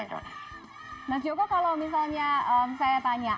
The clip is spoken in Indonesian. mas joko kalau misalnya saya tanya